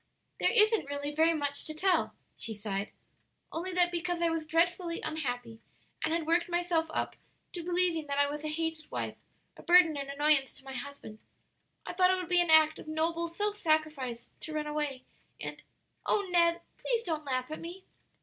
"There isn't really very much to tell," she sighed, "only that because I was dreadfully unhappy and had worked myself up to believing that I was a hated wife, a burden and annoyance to my husband, I thought it would be an act of noble self sacrifice to run away, and O Ned, please don't laugh at me!"